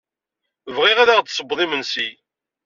Bɣiɣ ad aɣ-d-tessewwed imensi.